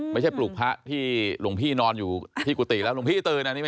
ไม่ใช่ปลุกพระที่หลวงพี่นอนอยู่ที่กุติแล้ว